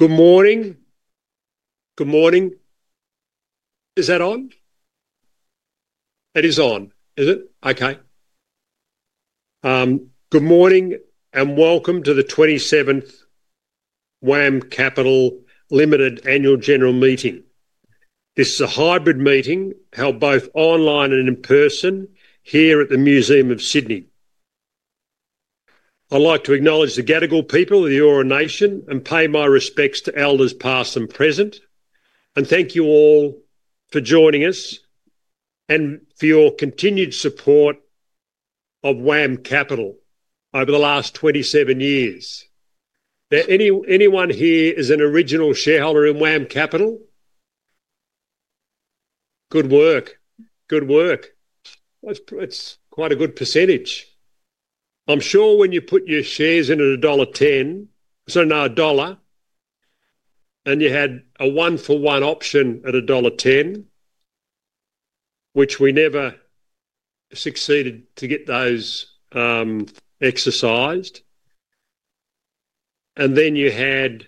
Good morning. Good morning. Is that on? That is on, is it? Okay. Good morning and welcome to the 27th WAM Capital Limited Annual General Meeting. This is a hybrid meeting, held both online and in person here at the Museum of Sydney. I'd like to acknowledge the Gadigal people of the Eora Nation and pay my respects to elders past and present, and thank you all for joining us and for your continued support of WAM Capital over the last 27 years. Anyone here is an original shareholder in WAM Capital? Good work. Good work. That's quite a good percentage. I'm sure when you put your shares in at dollar 1.10, so now AUD 1, and you had a one-for-one option at dollar 1.10, which we never succeeded to get those exercised. You had,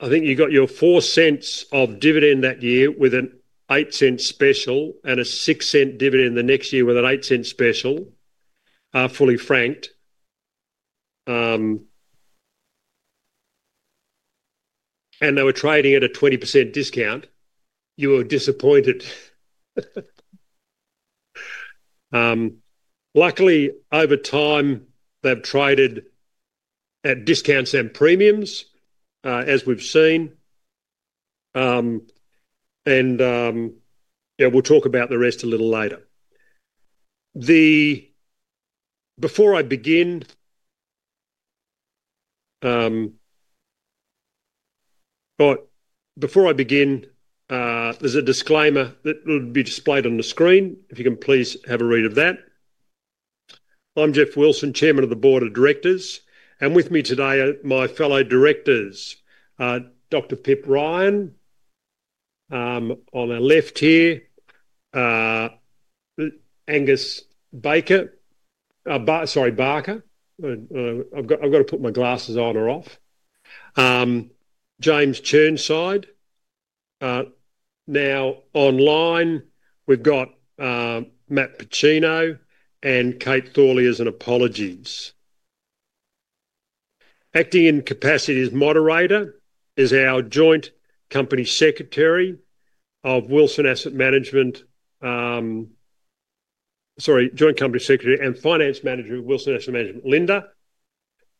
I think you got your 0.04 of dividend that year with an 0.08 special and a 0.06 dividend the next year with an 0.08 special, fully franked. They were trading at a 20% discount. You were disappointed. Luckily, over time, they've traded at discounts and premiums, as we've seen. We'll talk about the rest a little later. Before I begin, there's a disclaimer that will be displayed on the screen. If you can please have a read of that. I'm Geoff Wilson, Chairman of the Board of Directors. With me today, my fellow directors, Dr. Pip Ryan, on the left here, Angus Barker—sorry, Barker. I've got to put my glasses on or off. James Chirnside. Now online, we've got Matt Pacino and Kate Thorley as an apologist. Acting in capacity as moderator is our Joint Company Secretary and Finance Manager of Wilson Asset Management, Linda,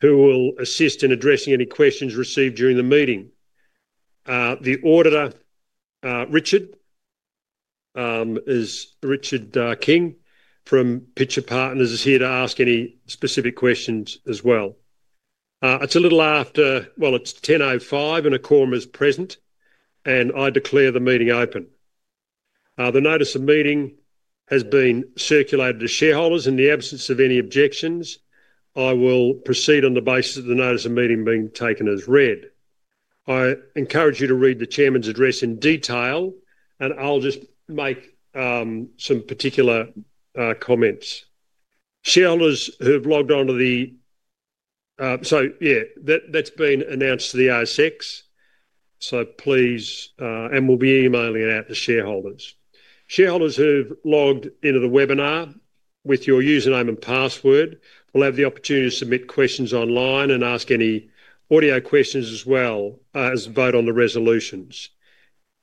who will assist in addressing any questions received during the meeting. The auditor, Richard, is Richard King from Pitcher Partners, is here to ask any specific questions as well. It is a little after, it is 10:05, and a quorum is present, and I declare the meeting open. The notice of meeting has been circulated to shareholders. In the absence of any objections, I will proceed on the basis of the notice of meeting being taken as read. I encourage you to read the Chairman's address in detail, and I will just make some particular comments. Shareholders who have logged onto the, so yeah, that has been announced to the ASX, so please, and we will be emailing it out to shareholders. Shareholders who've logged into the webinar with your username and password will have the opportunity to submit questions online and ask any audio questions as well as vote on the resolutions.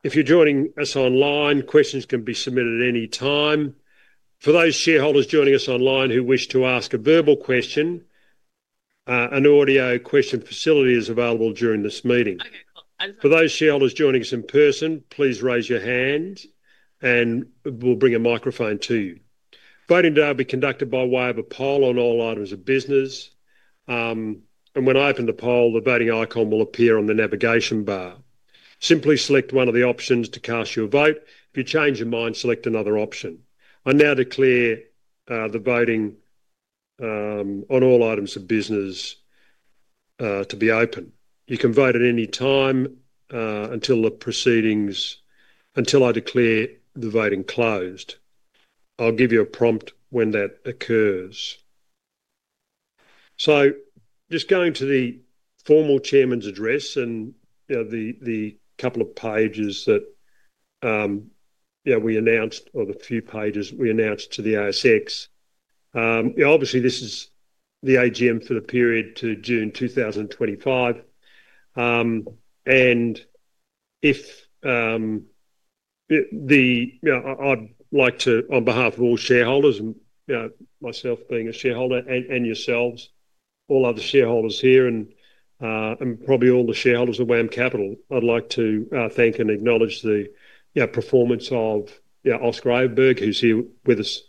If you're joining us online, questions can be submitted at any time. For those shareholders joining us online who wish to ask a verbal question, an audio question facility is available during this meeting. For those shareholders joining us in person, please raise your hand, and we'll bring a microphone to you. Voting today will be conducted by way of a poll on all items of business. When I open the poll, the voting icon will appear on the navigation bar. Simply select one of the options to cast your vote. If you change your mind, select another option. I now declare the voting on all items of business to be open. You can vote at any time until the proceedings, until I declare the voting closed. I'll give you a prompt when that occurs. Just going to the formal Chairman's address and the couple of pages that we announced, or the few pages we announced to the ASX. Obviously, this is the AGM for the period to June 2025. If I'd like to, on behalf of all shareholders, myself being a shareholder, and yourselves, all other shareholders here, and probably all the shareholders of WAM Capital, I'd like to thank and acknowledge the performance of Oscar Oberg, who's here with us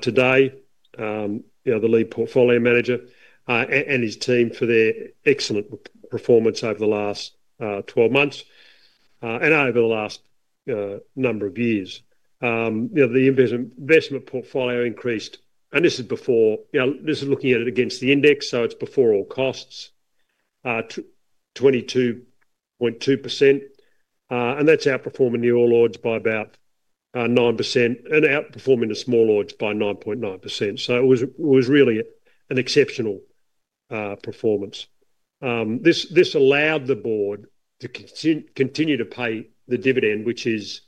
today, the lead portfolio manager, and his team for their excellent performance over the last 12 months and over the last number of years. The investment portfolio increased, and this is before, this is looking at it against the index, so it's before all costs, 22.2%. That is outperforming the All Ords by about 9% and outperforming the Small Ords by 9.9%. It was really an exceptional performance. This allowed the board to continue to pay the dividend, which is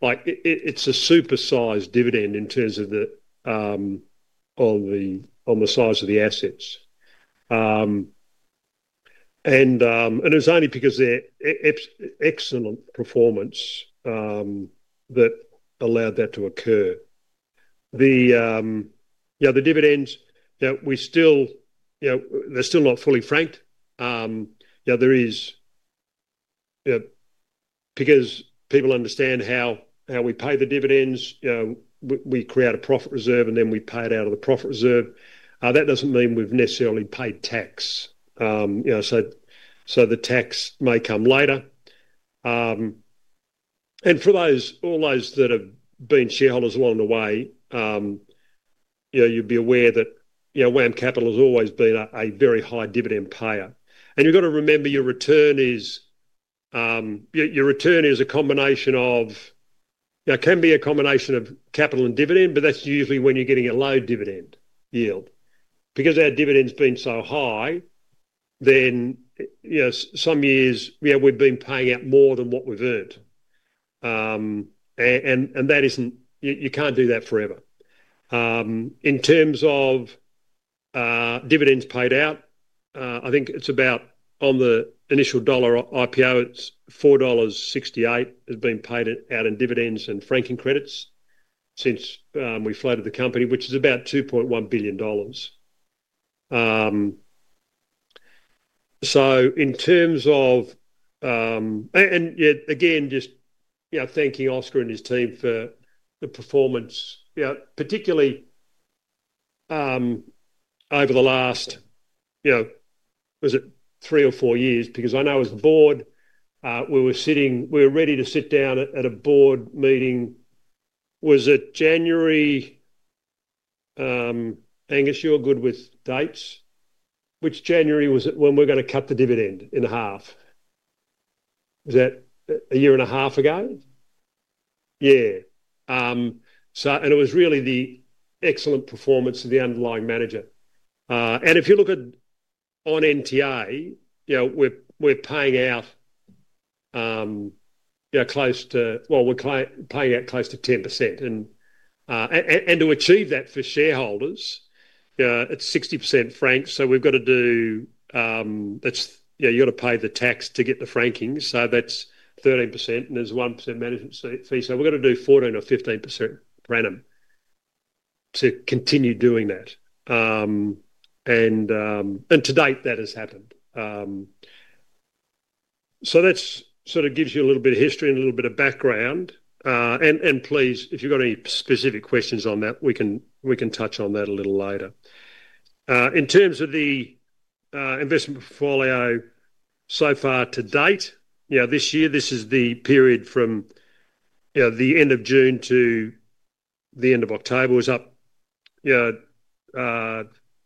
like a super-sized dividend in terms of the size of the assets. It was only because of their excellent performance that allowed that to occur. The dividends, we still, they are still not fully franked. There is, because people understand how we pay the dividends, we create a profit reserve, and then we pay it out of the profit reserve. That does not mean we have necessarily paid tax. The tax may come later. For all those that have been shareholders along the way, you would be aware that WAM Capital has always been a very high dividend payer. You have to remember your return is a combination of, can be a combination of capital and dividend, but that's usually when you're getting a low dividend yield. Because our dividend's been so high, then some years we've been paying out more than what we've earned. That isn't, you can't do that forever. In terms of dividends paid out, I think it's about on the initial dollar IPO, it's 4.68 dollars has been paid out in dividends and franking credits since we floated the company, which is about 2.1 billion dollars. In terms of, and again, just thanking Oscar and his team for the performance, particularly over the last, was it three or four years? I know as the board, we were ready to sit down at a board meeting. Was it January, Angus, you're good with dates? Which January was it when we were going to cut the dividend in half? Was that a year and a half ago? Yeah. It was really the excellent performance of the underlying manager. If you look at on NTA, we are paying out close to, well, we are paying out close to 10%. To achieve that for shareholders, it is 60% franked. You have to pay the tax to get the franking. That is 13%, and there is a 1% management fee. We have to do 14%-15% random to continue doing that. To date, that has happened. That gives you a little bit of history and a little bit of background. If you have any specific questions on that, we can touch on that a little later. In terms of the investment portfolio so far to date, this year, this is the period from the end of June to the end of October, was up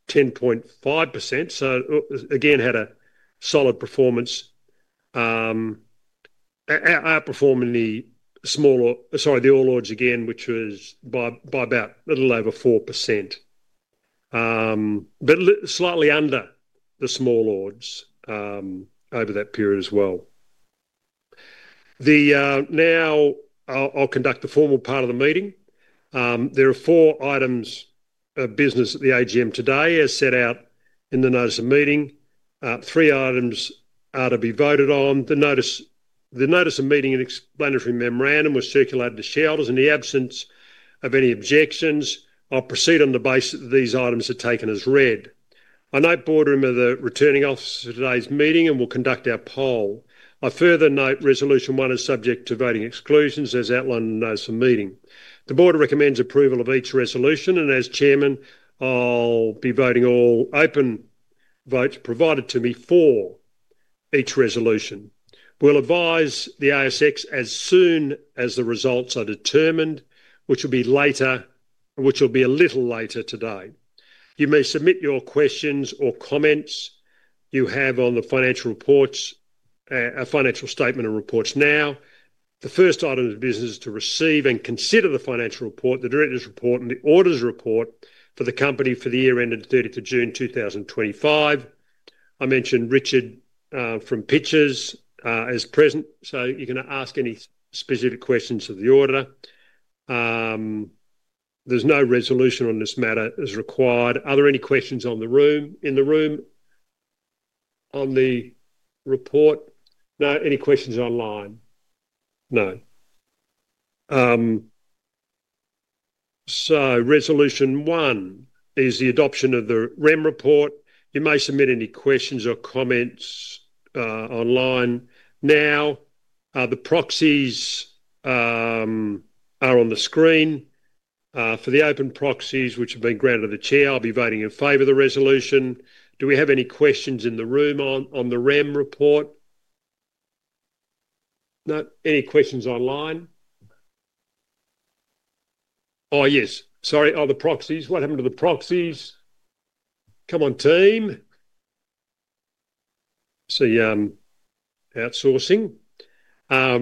10.5%. Again, had a solid performance, outperforming the All Ords again, which was by about a little over 4%. Slightly under the Small Ords over that period as well. Now I'll conduct the formal part of the meeting. There are four items of business at the AGM today as set out in the notice of meeting. Three items are to be voted on. The notice of meeting and explanatory memorandum was circulated to shareholders. In the absence of any objections, I'll proceed on the basis that these items are taken as read. I note Boardroom are the returning officers for today's meeting and will conduct our poll. I further note resolution one is subject to voting exclusions as outlined in the notice of meeting. The board recommends approval of each resolution, and as Chairman, I'll be voting all open votes provided to me for each resolution. We'll advise the ASX as soon as the results are determined, which will be a little later today. You may submit your questions or comments you have on the financial reports, financial statement and reports now. The first item of business is to receive and consider the financial report, the director's report, and the auditor's report for the company for the year ended 30th of June 2025. I mentioned Richard from Pitcher Partners is present, so you can ask any specific questions to the auditor. There's no resolution on this matter as required. Are there any questions in the room on the report? No? Any questions online? No. Resolution one is the adoption of the WREM report. You may submit any questions or comments online. Now the proxies are on the screen. For the open proxies, which have been granted to the Chair, I'll be voting in favor of the resolution. Do we have any questions in the room on the WREM report? No? Any questions online? Oh, yes. Sorry, the proxies. What happened to the proxies? Come on, team. See outsourcing. As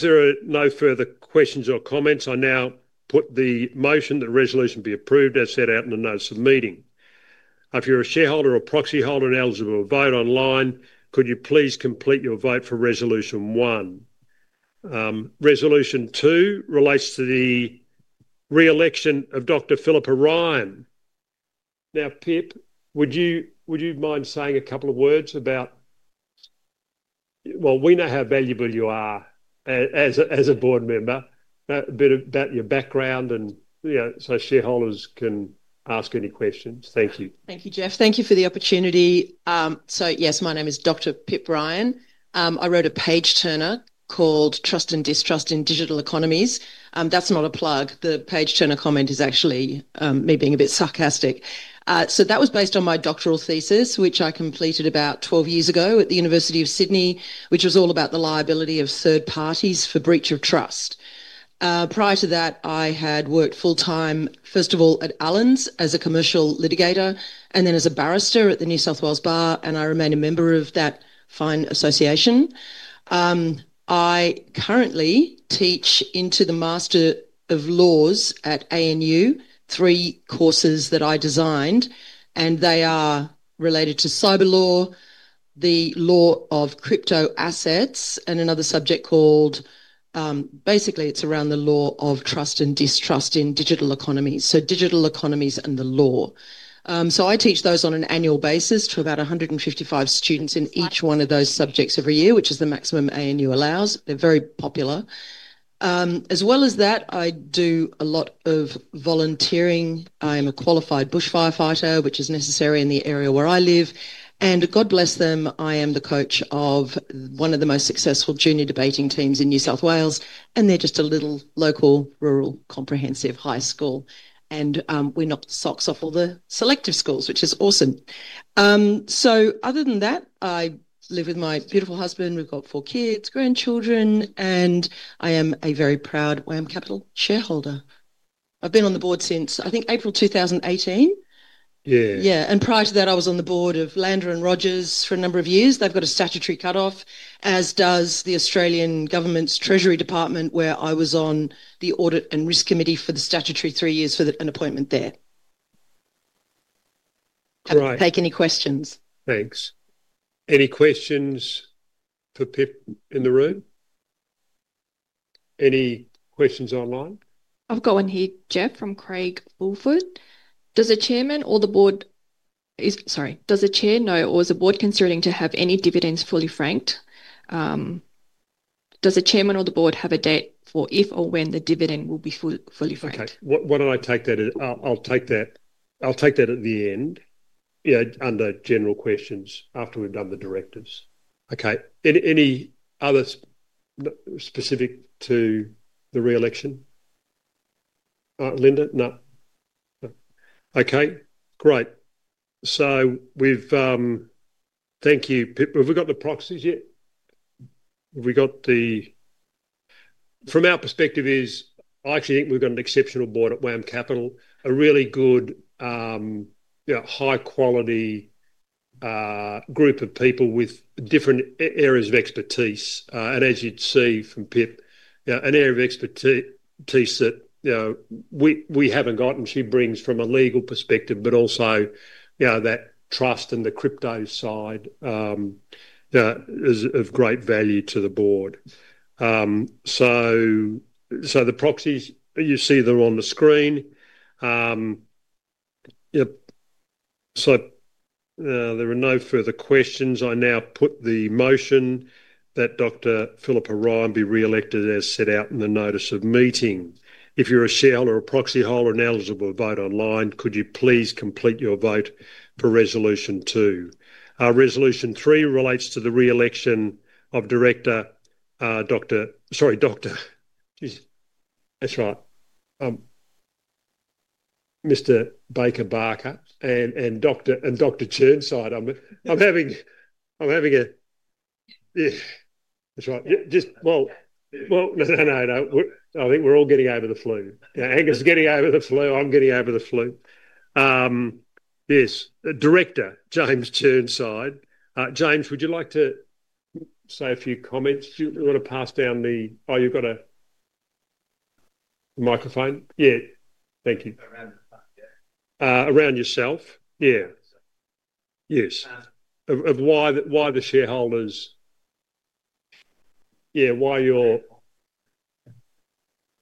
there are no further questions or comments, I now put the motion that resolution be approved as set out in the notice of meeting. If you're a shareholder or proxy holder and eligible to vote online, could you please complete your vote for resolution one? Resolution two relates to the re-election of Dr. Pip Ryan. Now, Pip, would you mind saying a couple of words about, well, we know how valuable you are as a board member, a bit about your background, and so shareholders can ask any questions. Thank you. Thank you, Geoff. Thank you for the opportunity. Yes, my name is Dr. Pip Ryan. I wrote a page-turner called Trust and Distrust in Digital Economies. That is not a plug. The page-turner comment is actually me being a bit sarcastic. That was based on my doctoral thesis, which I completed about 12 years ago at the University of Sydney, which was all about the liability of third parties for breach of trust. Prior to that, I had worked full-time, first of all, at Allens as a commercial litigator, and then as a barrister at the New South Wales Bar, and I remain a member of that fine association. I currently teach into the Master of Laws at ANU, three courses that I designed, and they are related to cyber law, the law of crypto assets, and another subject called, basically, it's around the law of trust and distrust in digital economies. Digital economies and the law. I teach those on an annual basis to about 155 students in each one of those subjects every year, which is the maximum ANU allows. They're very popular. As well as that, I do a lot of volunteering. I am a qualified bushfirefighter, which is necessary in the area where I live. God bless them, I am the coach of one of the most successful junior debating teams in New South Wales, and they're just a little local rural comprehensive high school. We knock the socks off all the selective schools, which is awesome. Other than that, I live with my beautiful husband. We've got four kids, grandchildren, and I am a very proud WAM Capital shareholder. I've been on the board since, I think, April 2018. Yeah. Yeah. Prior to that, I was on the board of Lander & Rogers for a number of years. They've got a statutory cutoff, as does the Australian Government's Treasury Department, where I was on the audit and risk committee for the statutory three years for an appointment there. Take any questions. Thanks. Any questions for Pip in the room? Any questions online? I've got one here, Geoff, from Craig Fulford. Does a chair or the board—sorry, does a chair know or is the board considering to have any dividends fully franked? Does a chair or the board have a date for if or when the dividend will be fully franked? Okay. Why don't I take that? I'll take that at the end under general questions after we've done the directives. Okay. Any other specific to the re-election? Linda? No. Okay. Great. Thank you. Pip, have we got the proxies yet? Have we got the—from our perspective, I actually think we've got an exceptional board at WAM Capital, a really good, high-quality group of people with different areas of expertise. As you'd see from Pip, an area of expertise that we haven't got and she brings from a legal perspective, but also that trust and the crypto side is of great value to the board. The proxies, you see them on the screen. There are no further questions. I now put the motion that Dr. Pip Ryan be re-elected as set out in the notice of meeting. If you're a shareholder or proxy holder and eligible to vote online, could you please complete your vote for resolution two? Resolution three relates to the re-election of Director—sorry, Doctor. That's right. Mr. Angus Barker and Dr. James Chirnside. I'm having a—that's right. No, no, no. I think we're all getting over the flu. Angus is getting over the flu. I'm getting over the flu. Yes. Director James Chirnside. James, would you like to say a few comments? Do you want to pass down the—oh, you've got a microphone. Yeah. Thank you. Around yourself. Yeah. Yes. Of why the shareholders—yeah, why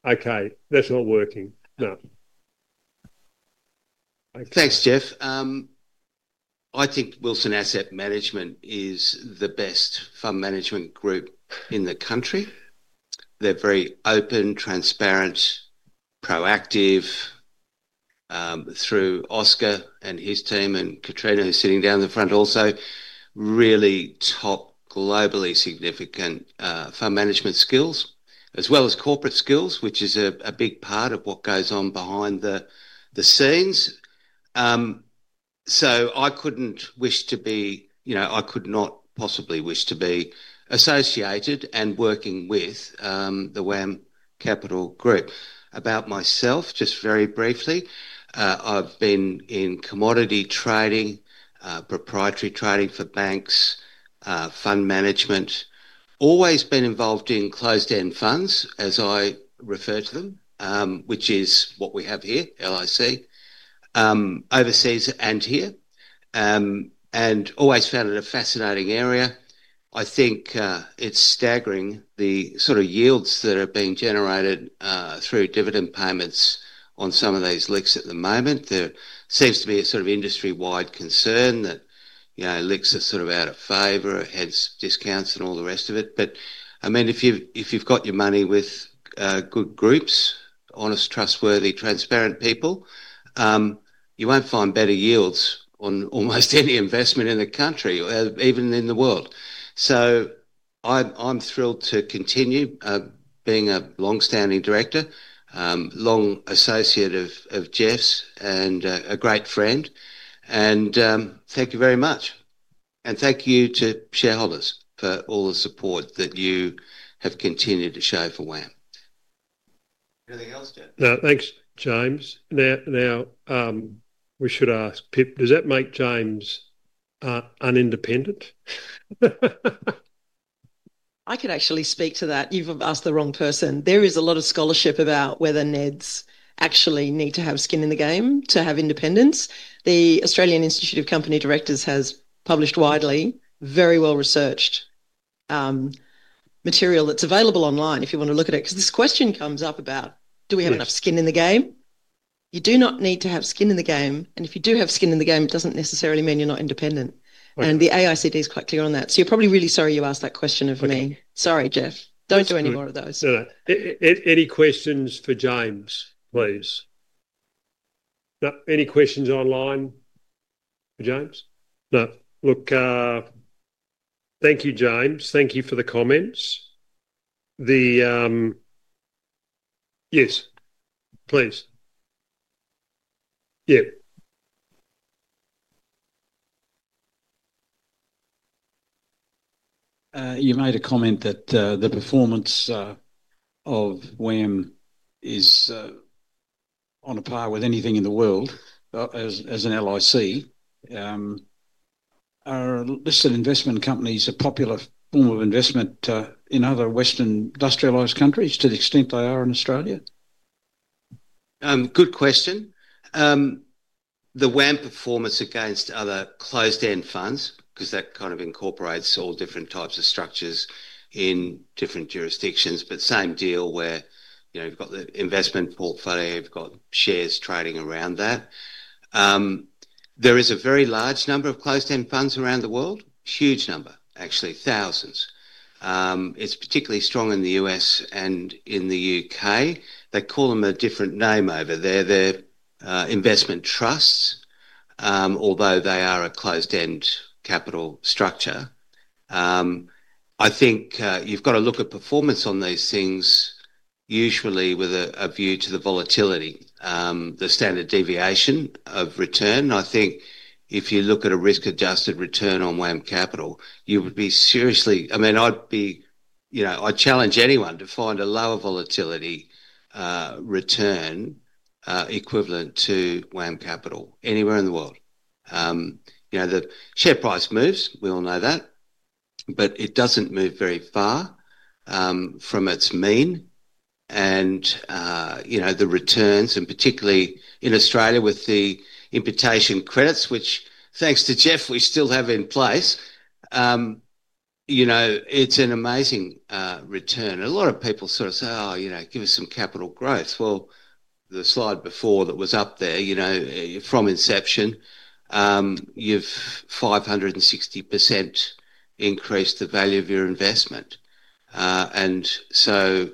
you're—okay. That's not working. No. Thanks, Geoff. I think Wilson Asset Management is the best fund management group in the country. They're very open, transparent, proactive through Oscar and his team and Katrina, who's sitting down the front also. Really top globally significant fund management skills, as well as corporate skills, which is a big part of what goes on behind the scenes. I could not possibly wish to be associated and working with the WAM Capital Group. About myself, just very briefly, I've been in commodity trading, proprietary trading for banks, fund management. Always been involved in closed-end funds, as I refer to them, which is what we have here, LIC, overseas and here. Always found it a fascinating area. I think it's staggering, the sort of yields that are being generated through dividend payments on some of these LICs at the moment. There seems to be a sort of industry-wide concern that LICs are sort of out of favor, hence discounts and all the rest of it. I mean, if you've got your money with good groups, honest, trustworthy, transparent people, you won't find better yields on almost any investment in the country, even in the world. I am thrilled to continue being a long-standing director, long associate of Geoff's, and a great friend. Thank you very much. Thank you to shareholders for all the support that you have continued to show for WAM. Anything else, Geoff? No. Thanks, James. Now, we should ask Pip, does that make James unindependent? I could actually speak to that. You've asked the wrong person. There is a lot of scholarship about whether NEDs actually need to have skin in the game to have independence. The Australian Institute of Company Directors has published widely, very well-researched material that's available online if you want to look at it. Because this question comes up about, do we have enough skin in the game? You do not need to have skin in the game. If you do have skin in the game, it does not necessarily mean you are not independent. The AICD is quite clear on that. You are probably really sorry you asked that question of me. Sorry, Geoff. Do not do any more of those. Any questions for James, please? Any questions online for James? No. Look, thank you, James. Thank you for the comments. Yes, please. Yeah. You made a comment that the performance of WAM is on a par with anything in the world as an LIC. Are listed investment companies a popular form of investment in other Western industrialized countries to the extent they are in Australia? Good question. The WAM performance against other closed-end funds, because that kind of incorporates all different types of structures in different jurisdictions, but same deal where you've got the investment portfolio, you've got shares trading around that. There is a very large number of closed-end funds around the world. Huge number, actually, thousands. It's particularly strong in the U.S. and in the U.K. They call them a different name over there. They're investment trusts, although they are a closed-end capital structure. I think you've got to look at performance on these things usually with a view to the volatility, the standard deviation of return. I think if you look at a risk-adjusted return on WAM Capital, you would be seriously—I mean, I'd be—I challenge anyone to find a lower volatility return equivalent to WAM Capital anywhere in the world. The share price moves, we all know that, but it does not move very far from its mean. And the returns, and particularly in Australia with the imputation credits, which thanks to Geoff, we still have in place, it is an amazing return. A lot of people sort of say, "Oh, give us some capital growth." The slide before that was up there, from inception, you have 560% increased the value of your investment. It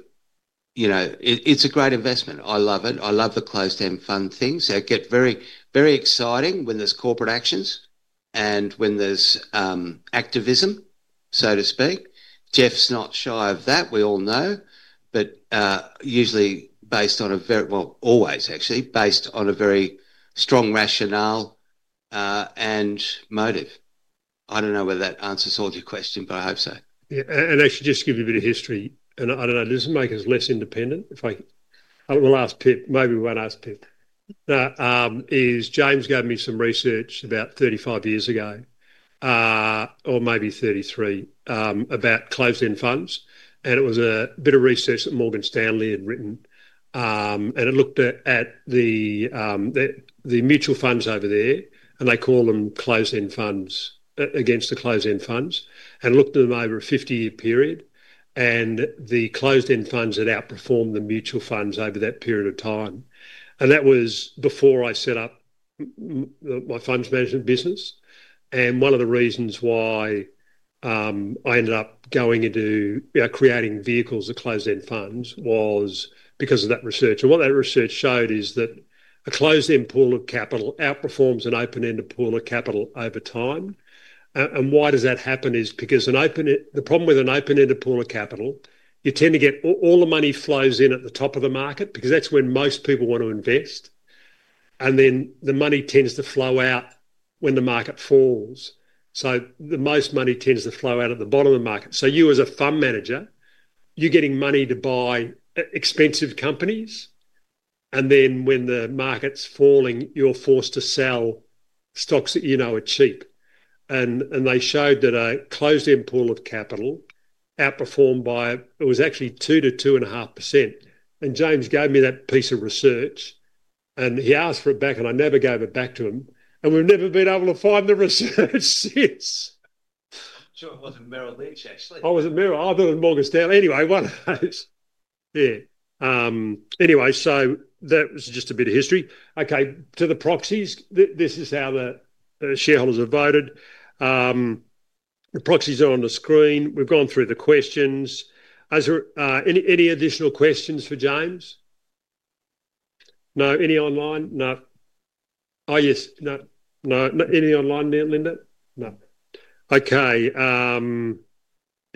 is a great investment. I love it. I love the closed-end fund things. I get very excited when there is corporate actions and when there is activism, so to speak. Geoff is not shy of that, we all know, but usually based on a very—well, always, actually—based on a very strong rationale and motive. I do not know whether that answers all your question, but I hope so. Yeah. Actually, just to give you a bit of history, I don't know, does this make us less independent? We'll ask Pip. Maybe we won't ask Pip. James gave me some research about 35 years ago, or maybe 33, about closed-end funds. It was a bit of research that Morgan Stanley had written. It looked at the mutual funds over there, and they call them closed-end funds against the closed-end funds. It looked at them over a 50-year period, and the closed-end funds had outperformed the mutual funds over that period of time. That was before I set up my funds management business. One of the reasons why I ended up going into creating vehicles of closed-end funds was because of that research. What that research showed is that a closed-end pool of capital outperforms an open-ended pool of capital over time. Why does that happen? It's because the problem with an open-ended pool of capital, you tend to get all the money flows in at the top of the market because that's when most people want to invest. The money tends to flow out when the market falls. The most money tends to flow out at the bottom of the market. You, as a fund manager, you're getting money to buy expensive companies. When the market's falling, you're forced to sell stocks that you know are cheap. They showed that a closed-end pool of capital outperformed by—it was actually 2%-2.5%. James gave me that piece of research, and he asked for it back, and I never gave it back to him. We've never been able to find the research since. Sure, I wasn't Merrill Lynch, actually. I wasn't Merrill, other than Morgan Stanley. Anyway, whatever. Yeah. Anyway, so that was just a bit of history. Okay. To the proxies, this is how the shareholders are voted. The proxies are on the screen. We've gone through the questions. Any additional questions for James? No? Any online? No. Oh, yes. No. No. Any online, Linda? No. Okay.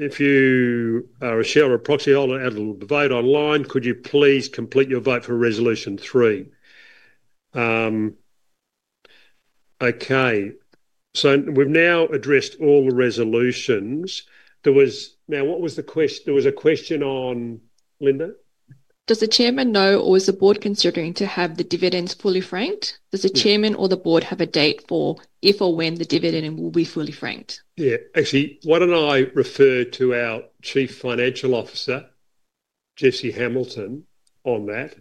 If you are a shareholder or proxy holder able to vote online, could you please complete your vote for resolution three? Okay. So we've now addressed all the resolutions. Now, what was the question? There was a question on—Linda? Does the Chairman know, or is the board considering to have the dividends fully franked? Does the Chairman or the board have a date for if or when the dividend will be fully franked? Yeah. Actually, why don't I refer to our Chief Financial Officer, Jesse Hamilton, on that?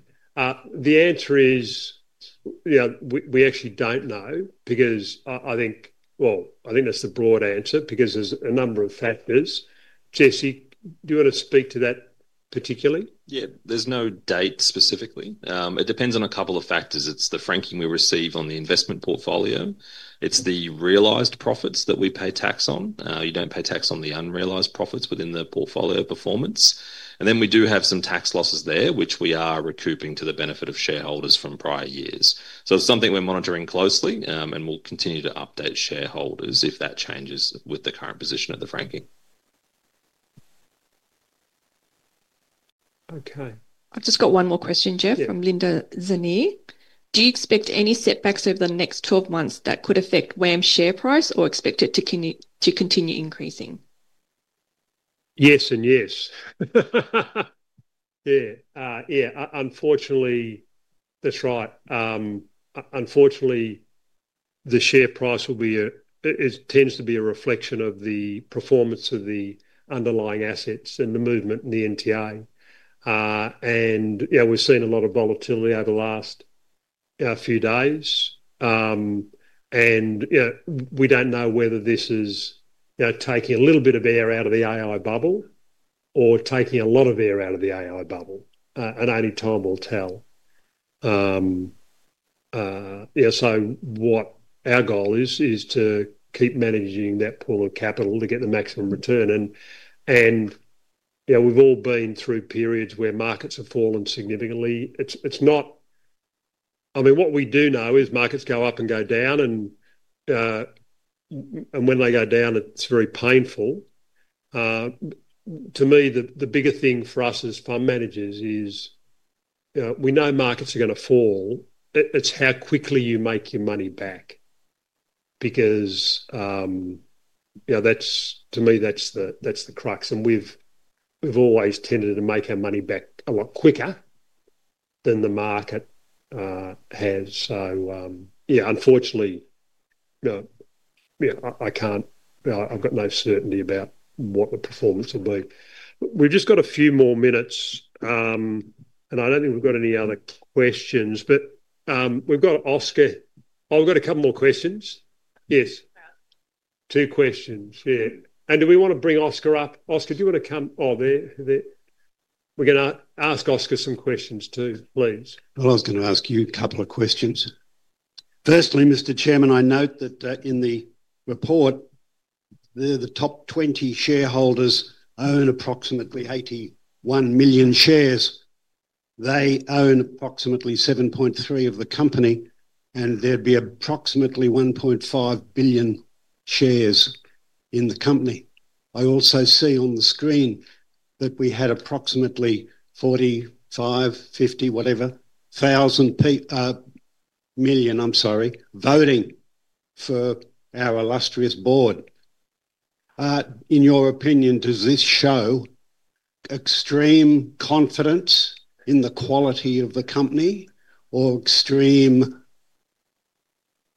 The answer is we actually don't know because I think—I think that's the broad answer because there's a number of factors. Jesse, do you want to speak to that particularly? Yeah. There's no date specifically. It depends on a couple of factors. It's the franking we receive on the investment portfolio. It's the realised profits that we pay tax on. You don't pay tax on the unrealised profits within the portfolio performance. And then we do have some tax losses there, which we are recouping to the benefit of shareholders from prior years. So it's something we're monitoring closely, and we'll continue to update shareholders if that changes with the current position of the franking. Okay. I've just got one more question, Geoff, from Linda Zenier. Do you expect any setbacks over the next 12 months that could affect WAM share price or expect it to continue increasing? Yes and yes. Yeah. Yeah. Unfortunately, that's right. Unfortunately, the share price will be a—it tends to be a reflection of the performance of the underlying assets and the movement in the NTA. We have seen a lot of volatility over the last few days. We do not know whether this is taking a little bit of air out of the AI bubble or taking a lot of air out of the AI bubble. Only time will tell. What our goal is, is to keep managing that pool of capital to get the maximum return. We have all been through periods where markets have fallen significantly. I mean, what we do know is markets go up and go down, and when they go down, it is very painful. To me, the bigger thing for us as fund managers is we know markets are going to fall. It's how quickly you make your money back because to me, that's the crux. We've always tended to make our money back a lot quicker than the market has. Yeah, unfortunately, I can't—I've got no certainty about what the performance will be. We've just got a few more minutes, and I don't think we've got any other questions, but we've got Oscar—oh, we've got a couple more questions. Yes. Two questions. Yeah. Do we want to bring Oscar up? Oscar, do you want to come? Oh, there. We're going to ask Oscar some questions too, please. I was going to ask you a couple of questions. Firstly, Mr. Chairman, I note that in the report, the top 20 shareholders own approximately 81 million shares. They own approximately 7.3% of the company, and there'd be approximately 1.5 billion shares in the company. I also see on the screen that we had approximately 45, 50, whatever, thousand million, I'm sorry, voting for our illustrious board. In your opinion, does this show extreme confidence in the quality of the company or extreme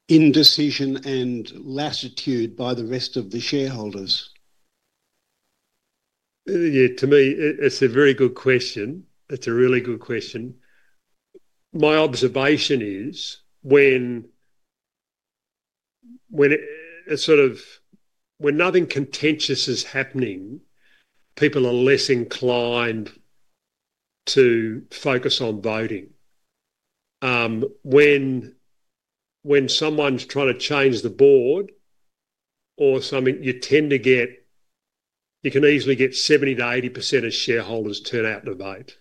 indecision and latitude by the rest of the shareholders? Yeah. To me, it's a very good question. It's a really good question. My observation is when sort of when nothing contentious is happening, people are less inclined to focus on voting. When someone's trying to change the board or something, you tend to get—you can easily get 70%-80% of shareholders turn out to vote.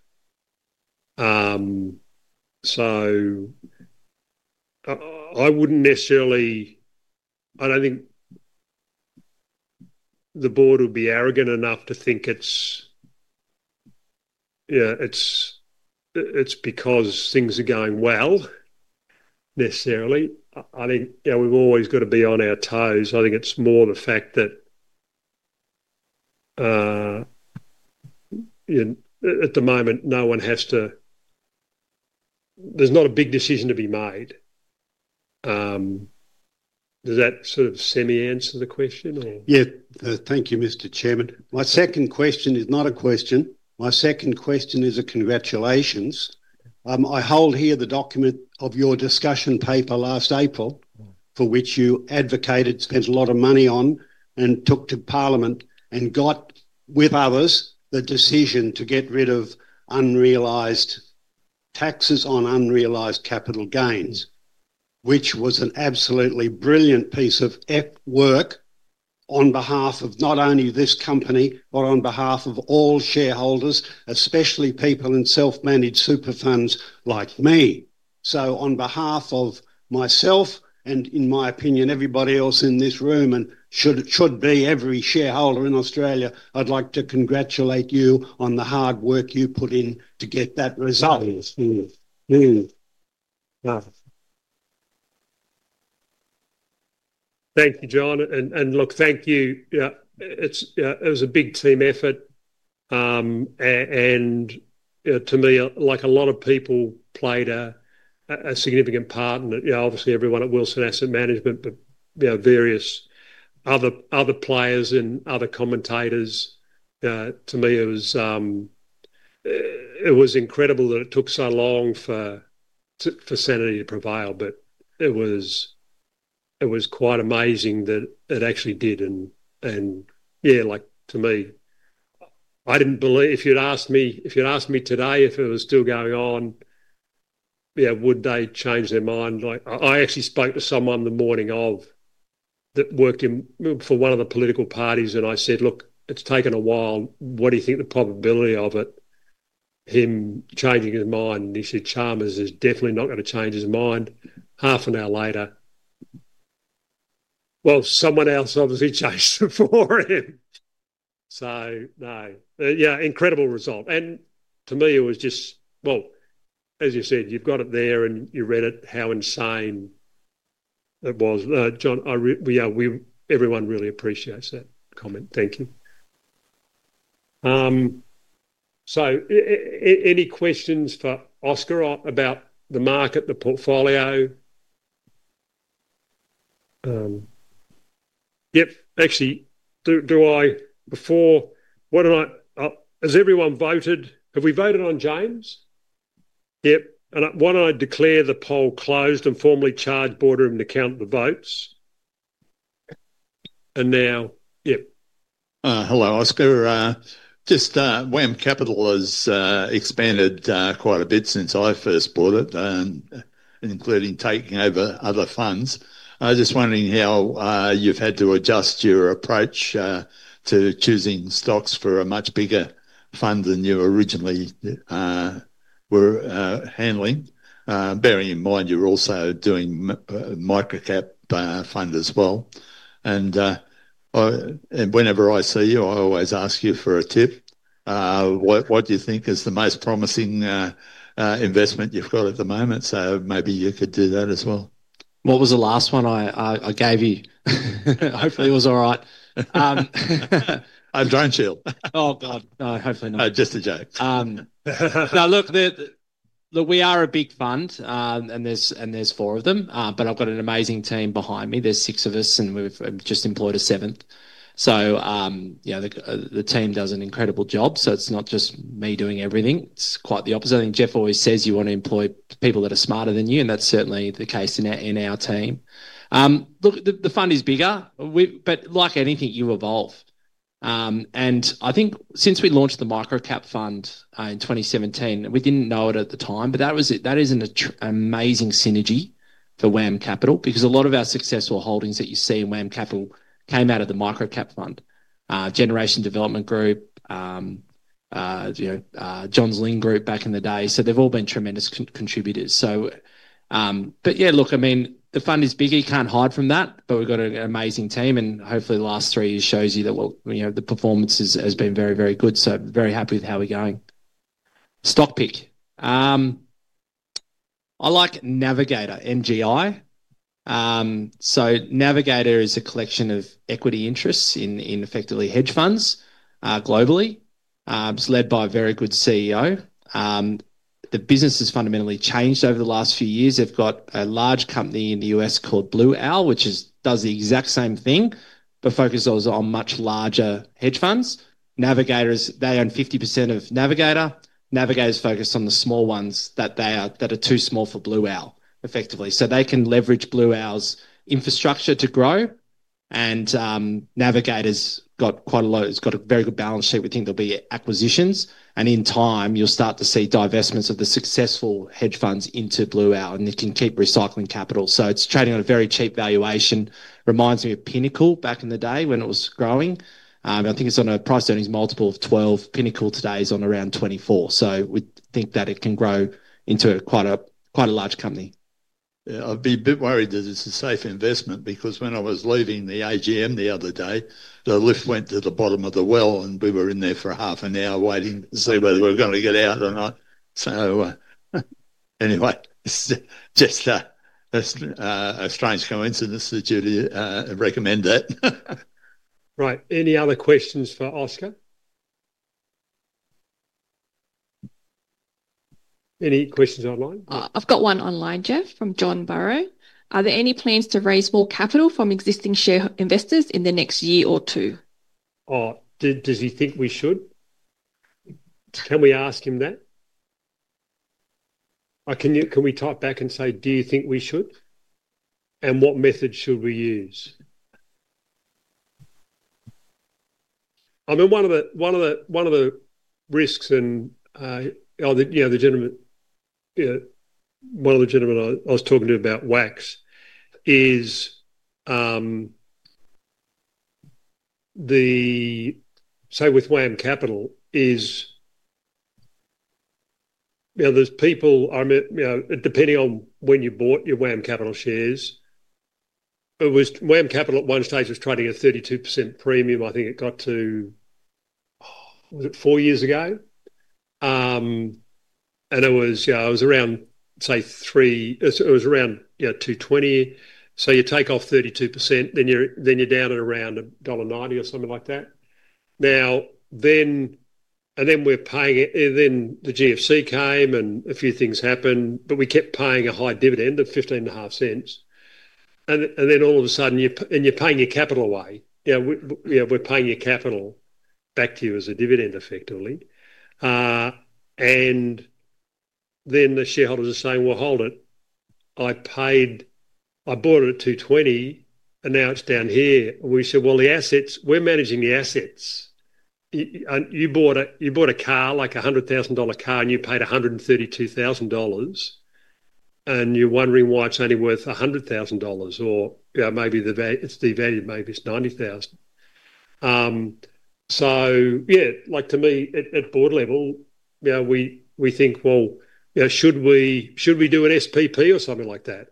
I wouldn't necessarily—I don't think the board would be arrogant enough to think it's because things are going well, necessarily. I think we've always got to be on our toes. I think it's more the fact that at the moment, no one has to—there's not a big decision to be made. Does that sort of semi-answer the question, or? Yeah. Thank you, Mr. Chairman. My second question is not a question. My second question is a congratulations. I hold here the document of your discussion paper last April for which you advocated, spent a lot of money on, and took to Parliament and got, with others, the decision to get rid of unrealised taxes on unrealised capital gains, which was an absolutely brilliant piece of work on behalf of not only this company, but on behalf of all shareholders, especially people in self-managed super funds like me. On behalf of myself and, in my opinion, everybody else in this room and should be every shareholder in Australia, I'd like to congratulate you on the hard work you put in to get that result. Thank you, John. Thank you. It was a big team effort. To me, a lot of people played a significant part in it. Obviously, everyone at Wilson Asset Management, but various other players and other commentators. To me, it was incredible that it took so long for sanity to prevail. It was quite amazing that it actually did. I didn't believe—if you'd asked me—if you'd asked me today if it was still going on, would they change their mind? I actually spoke to someone the morning of that worked for one of the political parties, and I said, "Look, it's taken a while. What do you think the probability of it, him changing his mind?" And he said, "Charmes is definitely not going to change his mind." Half an hour later, someone else obviously changed it for him. No. Yeah. Incredible result. To me, it was just—as you said, you've got it there and you read it, how insane it was. John, everyone really appreciates that comment. Thank you. Any questions for Oscar about the market, the portfolio? Yep. Actually, do I—before—has everyone voted? Have we voted on James? Yep. Why don't I declare the poll closed and formally charge Boardroom to count the votes? Now, yep. Hello, Oscar. Just WAM Capital has expanded quite a bit since I first bought it, including taking over other funds. I was just wondering how you've had to adjust your approach to choosing stocks for a much bigger fund than you originally were handling, bearing in mind you're also doing MicroCap Fund as well. Whenever I see you, I always ask you for a tip. What do you think is the most promising investment you've got at the moment? Maybe you could do that as well. What was the last one I gave you? Hopefully, it was all right. A drone shell. Oh, God. No, hopefully not. Just a joke. Now, look, we are a big fund, and there's four of them, but I've got an amazing team behind me. There's six of us, and we've just employed a seventh. The team does an incredible job. It's not just me doing everything. It's quite the opposite. I think Geoff always says you want to employ people that are smarter than you, and that's certainly the case in our team. Look, the fund is bigger, but like anything, you evolve. I think since we launched the MicroCap Fund in 2017, we did not know it at the time, but that is an amazing synergy for WAM Capital because a lot of our successful holdings that you see in WAM Capital came out of the MicroCap Fund, Generation Development Group, Johns Lyng Group back in the day. They have all been tremendous contributors. Yeah, look, I mean, the fund is bigger. You cannot hide from that, but we have got an amazing team. Hopefully, the last three years show you that the performance has been very, very good. Very happy with how we are going. Stock pick. I like Navigator, NGI. Navigator is a collection of equity interests in effectively hedge funds globally. It's led by a very good CEO. The business has fundamentally changed over the last few years. They've got a large company in the U.S. called Blue Owl, which does the exact same thing, but focuses on much larger hedge funds. Blue Owl owns 50% of Navigator. Navigator is focused on the small ones that are too small for Blue Owl, effectively. They can leverage Blue Owl's infrastructure to grow. Navigator's got quite a lot—it's got a very good balance sheet. We think there'll be acquisitions. In time, you'll start to see divestments of the successful hedge funds into Blue Owl, and it can keep recycling capital. It's trading at a very cheap valuation. Reminds me of Pinnacle back in the day when it was growing. I think it's on a price-earnings multiple of 12. Pinnacle today is on around 24. So we think that it can grow into quite a large company. Yeah. I'd be a bit worried that it's a safe investment because when I was leaving the AGM the other day, the lift went to the bottom of the well, and we were in there for half an hour waiting to see whether we were going to get out or not. Just a strange coincidence that you recommend that. Right. Any other questions for Oscar? Any questions online? I've got one online, Geoff, from John Burrow. Are there any plans to raise more capital from existing share investors in the next year or two? Oh, does he think we should? Can we ask him that? Can we type back and say, "Do you think we should?" I mean, what method should we use? One of the risks, and the gentleman—one of the gentlemen I was talking to about WAX is, say, with WAM Capital, is there's people—depending on when you bought your WAM Capital shares, WAM Capital at one stage was trading at a 32% premium. I think it got to—was it four years ago? It was around, say, three—it was around AUD 2.20. You take off 32%, then you're down at around dollar 1.90 or something like that. We're paying it, then the GFC came, and a few things happened, but we kept paying a high dividend of 0.155. All of a sudden, you're paying your capital away. We're paying your capital back to you as a dividend, effectively. Then the shareholders are saying, "Hold it. I bought it at 2.20, and now it's down here." We said, "We're managing the assets. You bought a car, like a 100,000 dollar car, and you paid 132,000 dollars. And you're wondering why it's only worth 100,000 dollars, or maybe it's devalued. Maybe it's 90,000." Yeah, to me, at board level, we think, "Should we do an SPP or something like that?"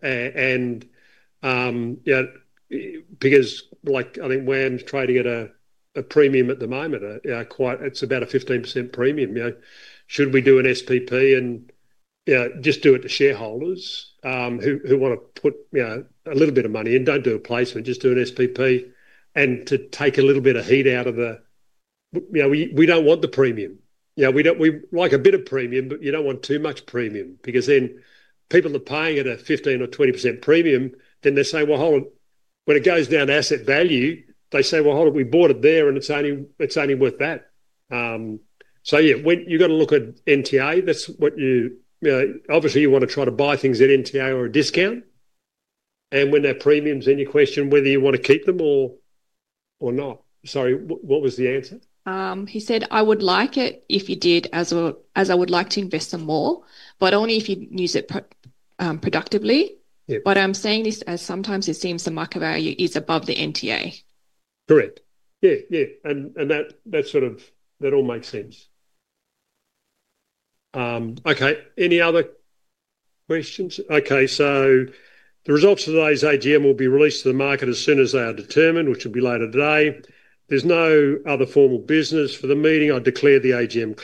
I think WAM's trading at a premium at the moment. It's about a 15% premium. Should we do an SPP and just do it to shareholders who want to put a little bit of money in? Don't do a placement. Just do an SPP to take a little bit of heat out of the—we don't want the premium. We like a bit of premium, but you do not want too much premium because then people are paying at a 15% or 20% premium. Then they say, "Well, hold on." When it goes down asset value, they say, "Well, hold on. We bought it there, and it is only worth that." Yeah, you have got to look at NTA. Obviously, you want to try to buy things at NTA or a discount. When they are premiums, you question whether you want to keep them or not. Sorry, what was the answer? He said, "I would like it if you did as I would like to invest them more, but only if you use it productively." I am saying this as sometimes it seems the market value is above the NTA. Correct. Yeah. Yeah. That all makes sense. Okay. Any other questions? Okay. The results of today's AGM will be released to the market as soon as they are determined, which will be later today. There is no other formal business for the meeting. I declare the AGM.